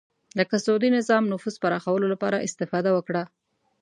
لکه سعودي نظام نفوذ پراخولو لپاره استفاده وکړه